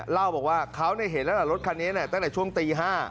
เล่าบอกว่าเขาเห็นแล้วล่ะรถคันนี้ตั้งแต่ช่วงตี๕